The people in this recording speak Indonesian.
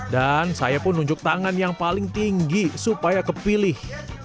saya pun nunjuk tangan yang paling tinggi supaya kepilih